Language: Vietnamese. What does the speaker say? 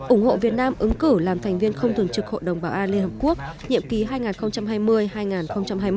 ủng hộ việt nam ứng cử làm thành viên không thường trực hội đồng bảo an liên hợp quốc nhiệm ký hai nghìn hai mươi hai nghìn hai mươi một